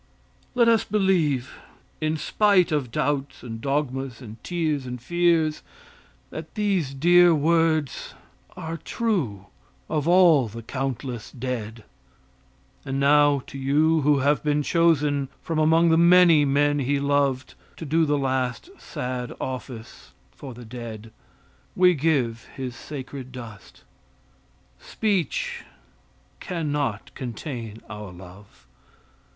Let us believe, in spite of doubts and dogmas and tears and fears that these dear words are true of all the countless dead. And now, to you who have been chosen from among the many men he loved to do the last sad office, for the dead, we give his sacred dust. Speech can not contain our love.